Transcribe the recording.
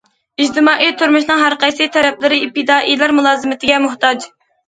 ئىجتىمائىي تۇرمۇشنىڭ ھەر قايسى تەرەپلىرى پىدائىيلار مۇلازىمىتىگە موھتاج.